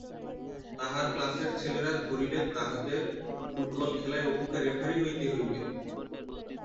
তাহার ক্লাসের ছেলেরা ধরিলে তাহদের ফুটবল খেলায় অপুকে রেফারি হইতে হইবে।